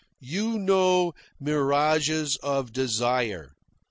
You know mirages of desire.